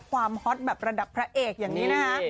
ฮอตแบบระดับพระเอกอย่างนี้นะคะ